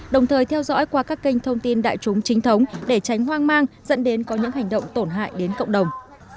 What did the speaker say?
đồng thời theo dõi qua các kênh thông tin đại chúng chính thống để tránh hoang mang dẫn đến có những hành động tổn hại đến cộng đồng